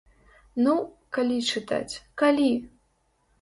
Ну, калі чытаць, калі?!